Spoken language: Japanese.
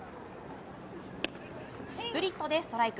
スプリットでストライク。